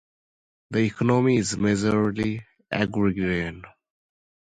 The economy is majorly Agrarian.